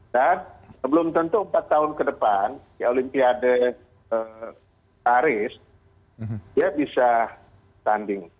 dan sebelum tentu empat tahun ke depan di olimpiade paris dia bisa tanding